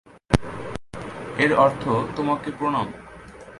এর অর্থ "তোমাকে প্রণাম"।